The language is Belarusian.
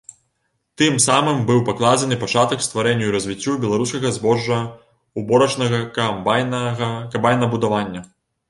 Тым самым быў пакладзены пачатак стварэнню і развіццю беларускага збожжаўборачнага камбайнабудавання.